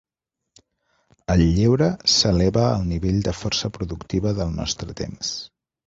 El lleure s'eleva al nivell de força productiva del nostre temps.